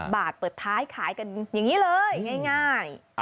บาทเปิดท้ายขายกันอย่างนี้เลยง่าย